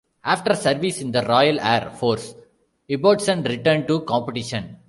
After service in the Royal Air Force, Ibbotson returned to competition.